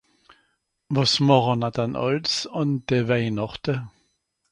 Wàs màche-n-r dann àls, àn de Wèihnàchte